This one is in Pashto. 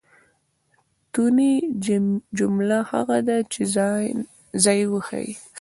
توني؛ جمله هغه ده، چي ځای وښیي.